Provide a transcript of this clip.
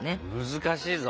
難しいぞ。